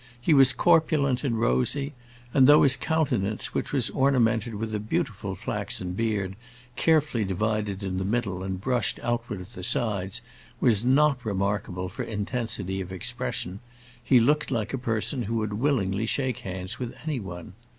He was corpulent and rosy, and though his countenance, which was ornamented with a beautiful flaxen beard, carefully divided in the middle and brushed outward at the sides, was not remarkable for intensity of expression, he looked like a person who would willingly shake hands with anyone.